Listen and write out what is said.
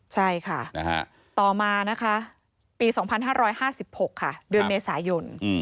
ใช่ค่ะต่อมานะคะปี๒๕๕๖ค่ะเดือนเมษายน